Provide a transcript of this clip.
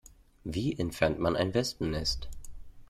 Wie entfernt man ein Wespennest?